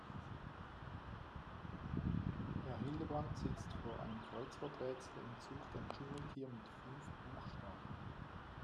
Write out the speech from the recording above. Herr Hildebrand sitzt vor einem Kreuzworträtsel und sucht ein Dschungeltier mit fünf Buchstaben.